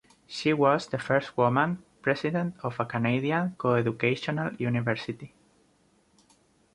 She was the first woman president of a Canadian co-educational university.